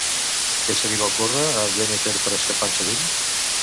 Què se li va ocórrer a Demèter per a escapar-se d'ell?